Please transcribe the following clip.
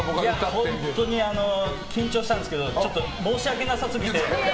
本当に緊張したんですけどちょっと申し訳なさすぎて。